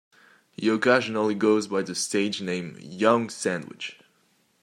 He occasionally goes by the stage name Young Sandwich.